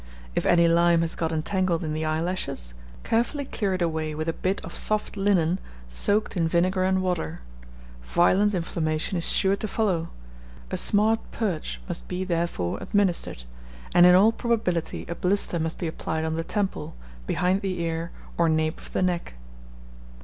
If any lime has got entangled in the eyelashes, carefully clear it away with a bit of soft linen soaked in vinegar and water. Violent inflammation is sure to follow; a smart purge must be therefore administered, and in all probability a blister must be applied on the temple, behind the ear, or nape of the neck.